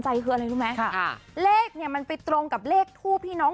ชาวบ้านบอกแบบนั้นเลยเหรอ